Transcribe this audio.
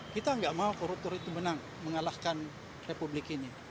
kita nggak mau koruptor itu menang mengalahkan republik ini